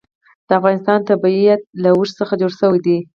د افغانستان طبیعت له اوښ څخه جوړ شوی دی.